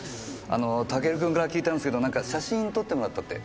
あのタケル君から聞いたんですけど何か写真撮ってもらったって。